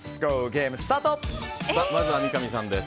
まずは三上さんです。